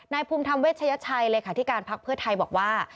นายภูมิธรรมเวชยัตชัยเลยค่ะที่การพักเพื่อไทยบอกว่า